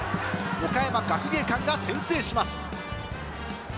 岡山学芸館が先制します。